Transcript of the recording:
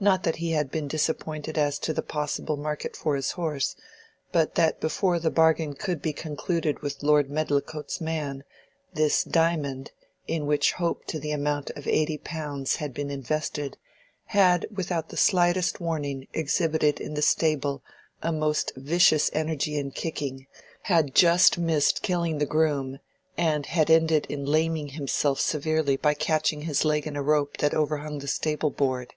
Not that he had been disappointed as to the possible market for his horse, but that before the bargain could be concluded with Lord Medlicote's man, this Diamond, in which hope to the amount of eighty pounds had been invested, had without the slightest warning exhibited in the stable a most vicious energy in kicking, had just missed killing the groom, and had ended in laming himself severely by catching his leg in a rope that overhung the stable board.